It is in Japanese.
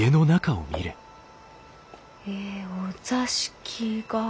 えお座敷が。